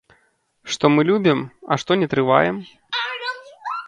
Што мы любім, а што не трываем?